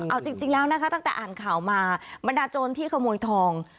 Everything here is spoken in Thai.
เอาจริงแล้วนะคะตั้งแต่อ่านข่าวมาบรรดาโจรที่ขโมยทอง